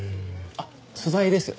あっ素材ですよね。